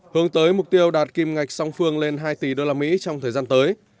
hướng tới mục tiêu đạt kim ngạch song phương lên hai tỷ usd trong thời gian tới